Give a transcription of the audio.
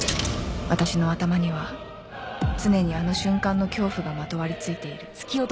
私の頭には常にあの瞬間の恐怖がまとわり付いている